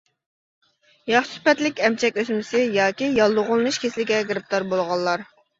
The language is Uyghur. ياخشى سۈپەتلىك ئەمچەك ئۆسمىسى ياكى ياللۇغلىنىش كېسىلىگە گىرىپتار بولغانلار.